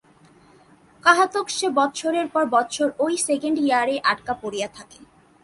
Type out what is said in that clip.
কাঁহাতক সে বৎসরের পর বৎসর ঐ সেকেণ্ড ইয়ারেই আটকা পড়িয়া থাকে।